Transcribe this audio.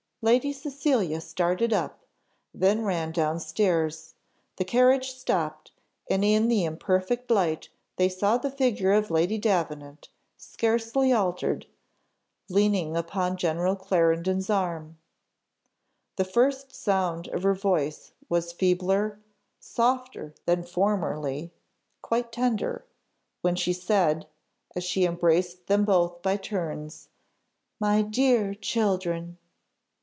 Lady Cecilia started up; they ran down stairs; the carriage stopped, and in the imperfect light they saw the figure of Lady Davenant, scarcely altered, leaning upon General Clarendon's arm. The first sound of her voice was feebler, softer, than formerly quite tender, when she said, as she embraced them both by turns, "My dear children!"